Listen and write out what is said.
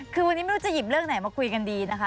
คือวันนี้ไม่รู้จะหยิบเรื่องไหนมาคุยกันดีนะคะ